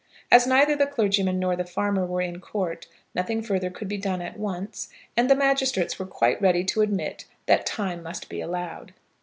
As neither the clergyman nor the farmer were in court, nothing further could be done at once; and the magistrates were quite ready to admit that time must be allowed.